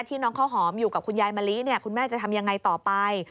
น้องข้าวหอมอยู่กับคุณยายมะลิคุณแม่จะทำยังไงต่อไป